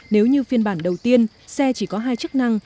nếu như phiên bản đầu tiên xe chỉ có hai chức năng